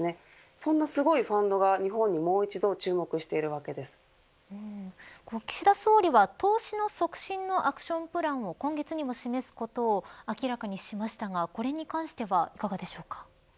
そんなすごいファンドが日本にもう一度岸田総理は投資の促進のアクションプランを今月にも示すことを明らかにしましたがこれに関してはいかがでしょうか。